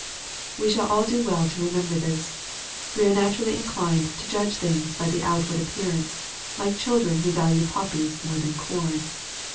We shall all do well to remember this. We are naturally inclined to judge things by the outward ap pearance, like children who value poppies more than corn.